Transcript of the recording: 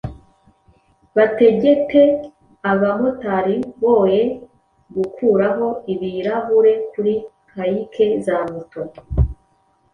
Bategete abamotari boe gukuraho ibirahure kuri kaike zamoto